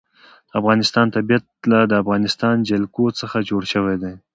د افغانستان طبیعت له د افغانستان جلکو څخه جوړ شوی دی.